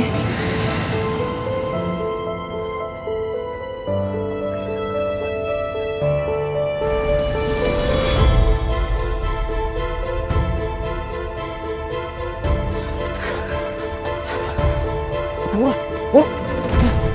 kita mau ber extract